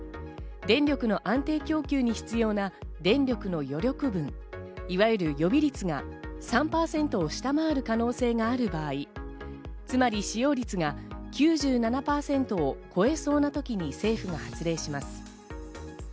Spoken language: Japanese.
電力の安定供給に必要な電力の余力分、いわゆる予備率が３％を下回る可能性がある場合、つまり使用率が９７％を超えそうな時に政府が発令します。